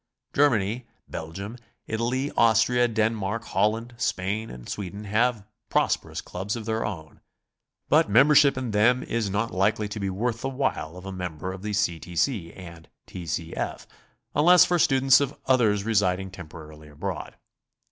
Germany, Belgium, Italy, Austria, Denmark, Holland, Spain and Sweden have prosperous clubs of their own, but membership in them is not likely to be worth the while of a member of the C. T. C. and T. C. F. unless for students or others residing temporarily abroad.